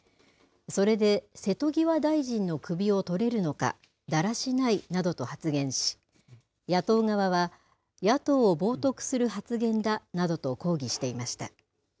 それで瀬戸際大臣の首をとれるのか、だらしないなどと発言し、野党側は、野党を冒とくする発言だなどと抗議していました。